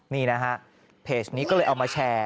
นี่นะฮะเพจนี้ก็เลยเอามาแชร์